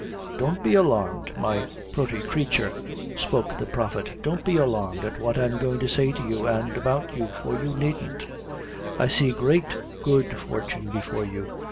"Don't be alarmed my purty creature," spoke the prophet; "don't be alarmed at what I'm goin' to say to you, an' about you, for you needn't. I see great good fortune before you.